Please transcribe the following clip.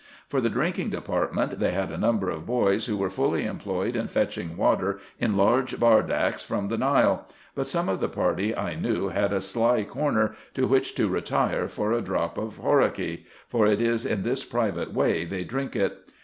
For the drinking department they had a number of boys, who were fully employed in fetching water in large bardacks from the Nile ; but some of the party I knew had a sly corner, to which to retire for a drop of horaky ; for it is in this private way they drink it.